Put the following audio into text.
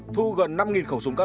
thu gần năm khẩu súng các